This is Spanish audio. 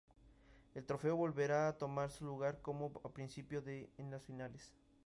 El trofeo volverá a tomar su lugar como premio en las finales.